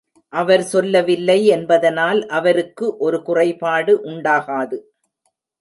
அவர் சொல்லவில்லை என்பதனால் அவருக்கு ஒரு குறைபாடு உண்டாகாது.